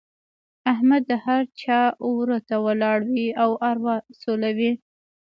احمد د هر چا وره ته ولاړ وي او اروا سولوي.